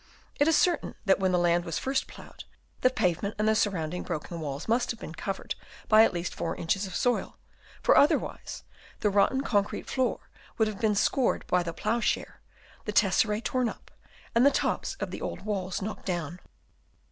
It is certain that when the land was first ploughed, the pavement and the surrounding broken walls must have been covered by at least 4 inches of soil, for other wise the rotten concrete floor would have been scored by the ploughshare, the tesserae torn up, and the tops of the old walls knocked down.